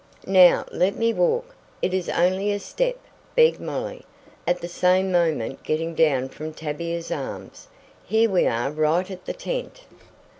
"Now, let me walk it is only a step," begged Molly, at the same moment getting down from Tavia's arms. "Here we are right at the tent."